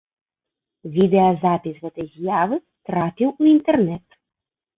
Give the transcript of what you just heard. Відэазапіс гэтай з'явы трапіў у інтэрнэт.